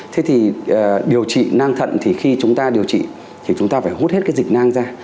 thế thì điều trị nang thận thì khi chúng ta điều trị thì chúng ta phải hút hết cái dịch nang ra